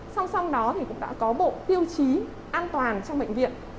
song song đó thì cũng đã có bộ tiêu chí an toàn trong bệnh viện